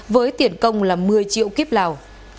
với tiền công là một mươi triệu kiếp lào